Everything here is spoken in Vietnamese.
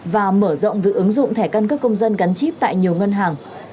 và mở rộng việc ứng dụng thẻ căn cước công dân gắn chip tại nhiều ngân hàng